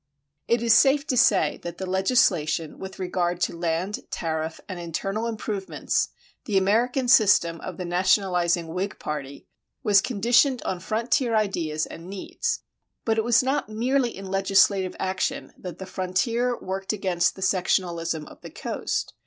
It is safe to say that the legislation with regard to land, tariff, and internal improvements the American system of the nationalizing Whig party was conditioned on frontier ideas and needs. But it was not merely in legislative action that the frontier worked against the sectionalism of the coast.